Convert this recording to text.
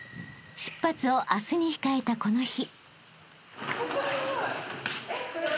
［出発を明日に控えたこの日］